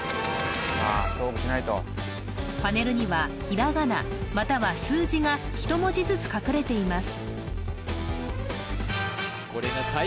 パネルにはひらがなまたは数字が１文字ずつ書かれています